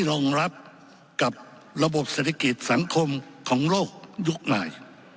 มันไม่รองรับกับระบบศาลิกิจสังคมของโลกยุคหน่าย